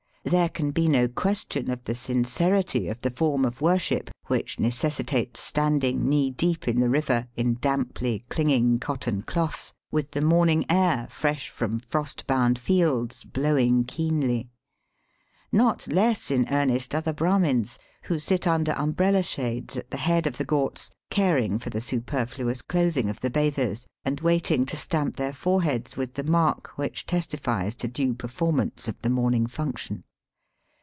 There can be no question of the sincerity of the form of worship which neces* sitates standing knee deep in the river in damply clinging cotton cloths, with the morn ing air, fresh from frost bound fields, blowing keenly. Not less in earnest are the Brahmins, who sit under umbrella shades at the head of the ghats caring for the superflous clothing VOL. n. 34 Digitized by VjOOQIC 226 EAST BY WEST, of the bathers, and waiting to stamp their foreheads with the mark which testifies to due performance of the morning function.